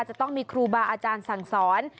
จะต้องมีครูบาอาจารย์สั่งสอน